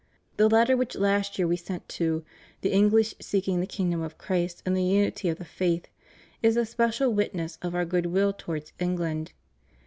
The Letter which last year We sent to "the English seeking the kingdom of Christ in the unity of the faith" is a special witness of Our good will towards England.